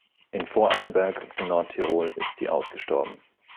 In Vorarlberg und Nordtirol ist sie ausgestorben.